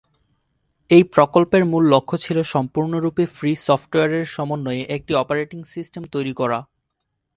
এ প্রকল্পের মূল লক্ষ্য ছিল সম্পূর্ণরূপে ফ্রি সফটওয়্যারের সমন্বয়ে একটি অপারেটিং সিস্টেম তৈরী করা।